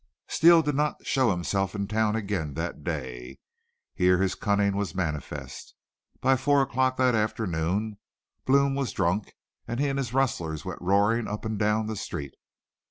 Steele did not show himself in town again that day. Here his cunning was manifest. By four o'clock that afternoon Blome was drunk and he and his rustlers went roaring up and down the street.